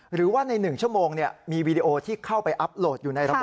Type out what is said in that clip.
หรือว่าใน๑ชั่วโมงมีวีดีโอที่เข้าไปอัพโหลดอยู่ในระบบ